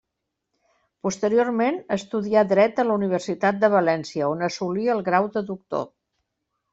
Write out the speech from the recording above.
Posteriorment, estudià Dret a la Universitat de València, on assolí el grau de doctor.